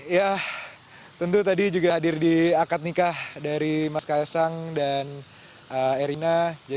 ya tentu tadi juga hadir di akad nikah dari mas kaisang dan erina